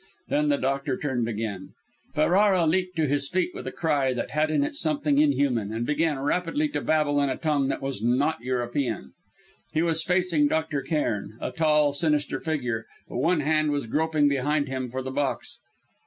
Then the doctor turned again. Ferrara leapt to his feet with a cry that had in it something inhuman, and began rapidly to babble in a tongue that was not European. He was facing Dr. Cairn, a tall, sinister figure, but one hand was groping behind him for the box.